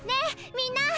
みんな！